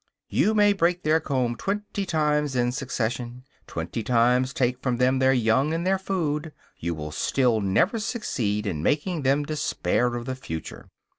You may break their comb twenty times in succession, twenty times take from them their young and their food, you will still never succeed in making them despair of the future.